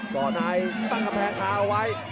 ก่อนไหนตั้งกับแผงคาเอาไว้